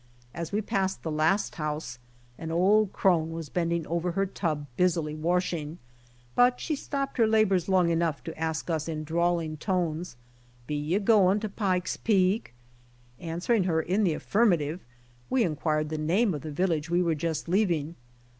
As we passed the last house, an old crone was bending over her tub busily washing, but she stopped her labors long enough to ask us in drawling tones, ''be you gwine to Pike's Peak?" Answering her in the affirmative, we inquired the name of the village we were just leaving.